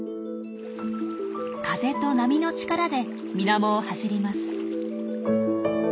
風と波の力でみなもを走ります。